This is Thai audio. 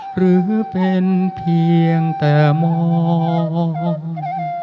หรือเป็นเพียงแต่มอง